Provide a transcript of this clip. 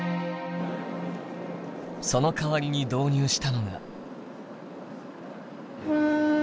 そのかわりに導入したのが。